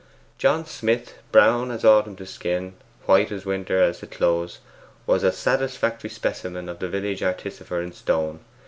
John Smith brown as autumn as to skin, white as winter as to clothes was a satisfactory specimen of the village artificer in stone.